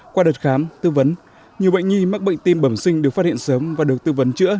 qua đợt khám tư vấn nhiều bệnh nhi mắc bệnh tim bẩm sinh được phát hiện sớm và được tư vấn chữa